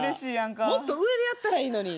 もっと上でやったらいいのに。